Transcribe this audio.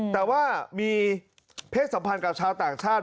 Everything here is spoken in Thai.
แต่ว่ามีเพศสัมพันธ์กับชาวต่างชาติ